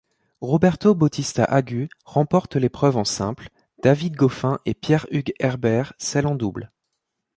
Roberto Bautista-Agut remporte l'épreuve en simple, David Goffin et Pierre-Hugues Herbert celle en double.